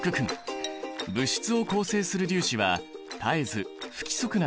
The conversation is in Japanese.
物質を構成する粒子は絶えず不規則な熱運動をしている。